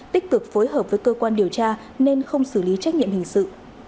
tích cực phối hợp với cơ quan điều tra nên không xử lý trách nhiệm hình sự